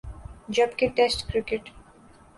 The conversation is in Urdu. جب کہ ٹیسٹ کرکٹ